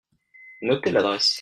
Notez l'adresse.